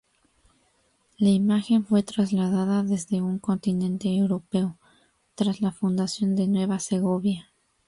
La imagen fue trasladada desde un Continente europeo tras la fundación de Nueva Segovia.